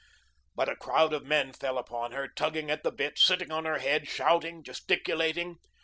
But a crowd of men fell upon her, tugging at the bit, sitting on her head, shouting, gesticulating.